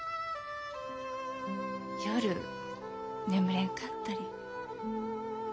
夜眠れんかったり。